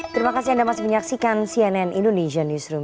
terima kasih anda masih menyaksikan cnn indonesian newsroom